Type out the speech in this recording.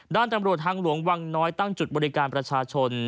ด้านตำรวจทางหลวงวังน้อยตั้งจุดบริการประชาชน